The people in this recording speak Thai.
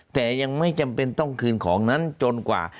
แต่ยังไม่จำเป็นต้องคืนของนั้นจนกว่า